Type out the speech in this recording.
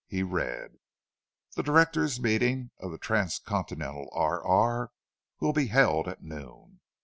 He read: "The directors' meeting of the Transcontinental R.R. will be held at noon.